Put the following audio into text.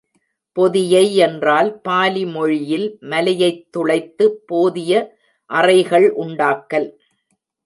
பொதியை யென்றால் பாலி மொழியில் மலையைத் துளைத்துப் போதிய அறைகள் உண்டாக்கல்.